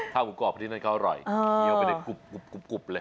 ข้าวหมูกรอบที่นั่นเขาอร่อยเอาไปกรุบเลย